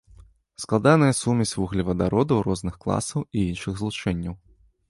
Складаная сумесь вуглевадародаў розных класаў і іншых злучэнняў.